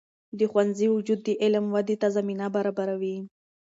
د ښوونځي وجود د علم ودې ته زمینه برابروي.